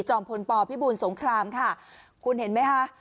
จอมพลปพิบูรณ์สงครามคุณเห็นไหมครับ